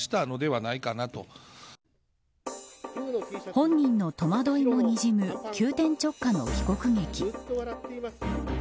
本人の戸惑いのにじむ急転直下の帰国劇。